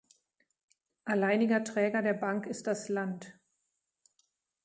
Alleiniger Träger der Bank ist das Land.